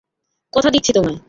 কথা দিচ্ছি তোমায়!